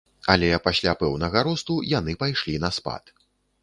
Але пасля пэўнага росту яны пайшлі на спад.